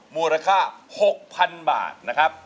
มูลค่า๖๐๐๐บาทนะครับ